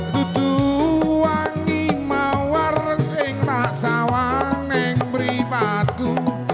duduk wangi mawar seng tak sawaneng beri padu